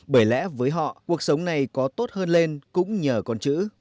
bởi lẽ với họ cuộc sống này có tốt hơn lên cũng nhờ con chữ